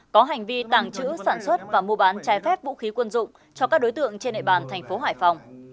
có hành vi tàng trữ sản xuất và mua bán trái phép vũ khí quân dụng cho các đối tượng trên nệ bàn thành phố hải phòng